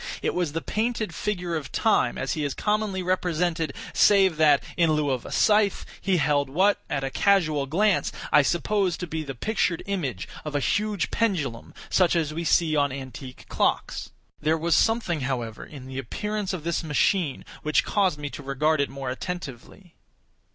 It was the painted figure of Time as he is commonly represented, save that, in lieu of a scythe, he held what, at a casual glance, I supposed to be the pictured image of a huge pendulum such as we see on antique clocks. There was something, however, in the appearance of this machine which caused me to regard it more attentively.